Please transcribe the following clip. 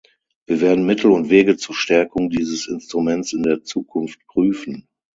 Wir werden Mittel und Wege zur Stärkung dieses Instruments in der Zukunft prüfen.